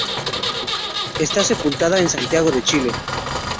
Está sepultada en Santiago de Chile.